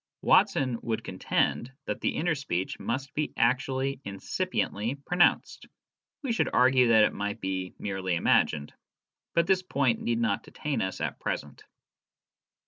Watson would contend that the inner speech must be actually incipiently pronounced; we should argue that it might be merely imagined. But this point need not detain us at present.